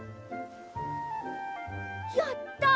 やった！